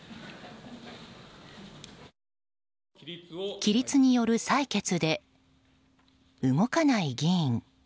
起立による採決で動かない議員。